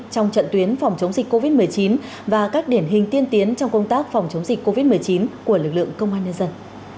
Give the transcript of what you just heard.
trong trận tuyến phòng chống dịch covid một mươi chín và các điển hình tiên tiến trong công tác phòng chống dịch covid một mươi chín của lực lượng công an nhân dân